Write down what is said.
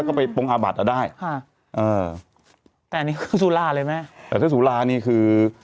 ได้ค่ะแต่นี่คือศูลาเลยแม่แต่ถ้าศูลานี่คือ